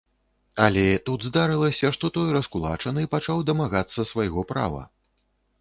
Але тут здарылася, што той раскулачаны пачаў дамагацца свайго права.